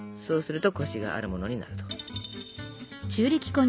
そうするとコシがあるものになると。